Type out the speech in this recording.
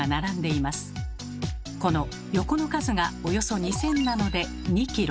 この横の数がおよそ２，０００なので２キロ